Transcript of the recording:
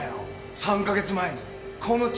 ３カ月前にこの近くで。